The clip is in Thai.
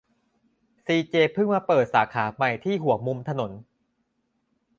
ซีเจเพิ่งมาเปิดสาขาใหม่ที่หัวมุมถนน